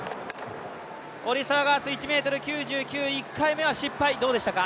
オリスラガース、１ｍ９９、１回目は失敗どうでしたか。